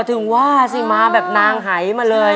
โอ้ถึงว่าสินะแบบนางไหายมาเลย